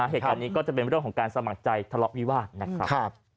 เหตุการณ์นี้ก็จะเป็นวิธีของการสมัครใจทะเลาะวิวาท